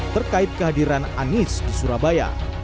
terkait kehadiran anies di surabaya